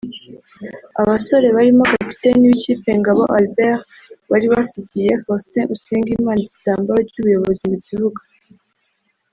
Abasore barimo Kapiteni w’ikipe Ngabo Albert wari wasigiye Faustin Usengimana igitambaro cy’ubuyobozi mu kibuga